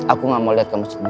aku gak mau liat kamu sedih